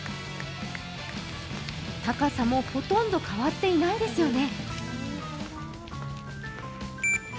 高さもほとんど変わっていないですよね。